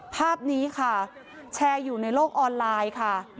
ภาพนี้ค่ะแชร์อยู่ในโลกออนไลน์ค่ะ